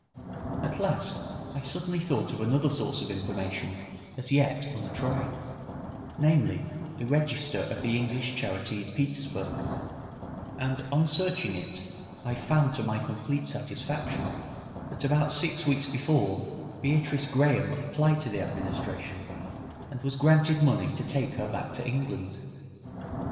At last I suddenly thought of another source of information as yet untried namely, the register of the English Charity in Petersburg, and on searching it, I found, to my complete satisfaction, that about six weeks before Beatrice Graham applied to the administration, and was granted money to take her back to England.